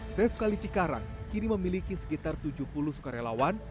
safe kali cikarang kini memiliki sekitar tujuh puluh sukarelawan